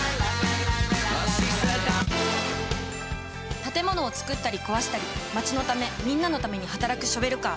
建物を造ったりこわしたり街のためみんなのために働くショベルカー。